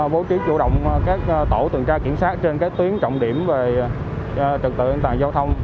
bố trí chủ động các tổ tuần tra kiểm soát trên các tuyến trọng điểm về trật tự an toàn giao thông